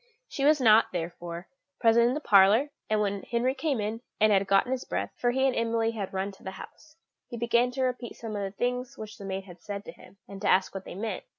She was not, therefore, present in the parlour; and when Henry came in, and had gotten his breath for he and Emily had run to the house he began to repeat some of the things which the maid had said to him, and to ask what they meant.